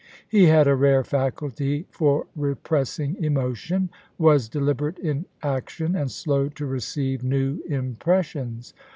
He had a rare faculty for repress ing emotion ; was deliberate in action, and slow to receive new impressions.